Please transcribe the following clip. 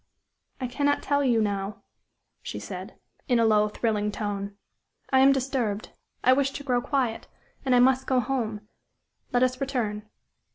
"I cannot tell you now," she said, in a low, thrilling tone. "I am disturbed; I wish to grow quiet; and I must go home. Let us return."